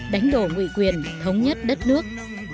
đánh đổ nguyện quyền thống nhất đất nước